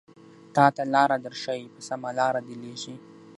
تاته لاره درښايې په سمه لاره دې ليږي